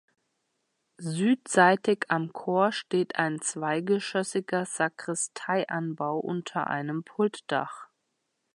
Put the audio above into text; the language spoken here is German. Südseitig am Chor steht ein zweigeschoßiger Sakristeianbau unter einem Pultdach.